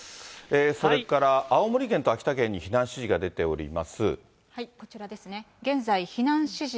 それから青森県と秋田県に避難指示が出ております。